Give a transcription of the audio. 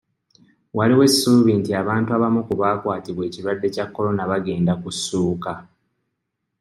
Waliwo essuubi nti abantu abamu ku baakwatibwa ekirwadde kya Corona bagenda kussuuka.